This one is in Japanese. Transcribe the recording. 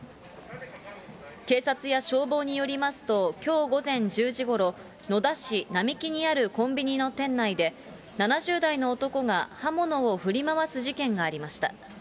警察や消防によりますと、きょう午前１０時ごろ、野田市なみきにあるコンビニの店内で、７０代の男が刃物を振り回す事件がありました。